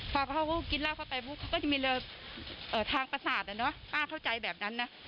พอเขาก็กินราวเข้าไปปุ๊บเขาก็จะมีเลยทางประสาทเนี่ยเนาะอ้าวเข้าใจแบบนั้นนะ